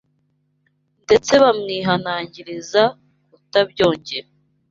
ndetse bamwihanangiriza kutabyongera